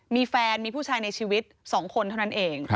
มีแฟนมีผู้ชายในชีวิต๒คนเท่านั้นเอง